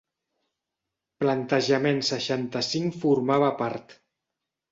Plantejament seixanta-cinc formava part.